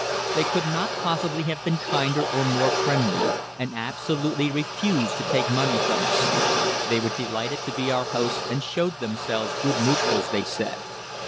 They could not possibly have been kinder or more friendly, and absolutely refused to take money from us. They were delighted to be our hosts and show themselves good neutrals, they said.